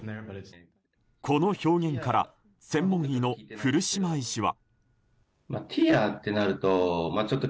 この表現から専門医の古島医師は。